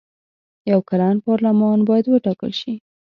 یو کلن پارلمان باید وټاکل شي.